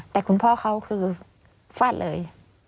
แต่คุณพ่อเขาคือฟาดเลย